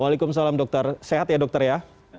waalaikumsalam dokter sehat ya dokter ya